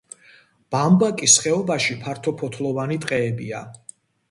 ბამბაკის ხეობაში ფართოფოთლოვანი ტყეებია.